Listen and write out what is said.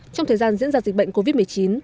trong thời gian diễn ra dịch bệnh covid một mươi chín